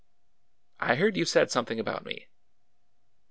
'' I heard you said something about me."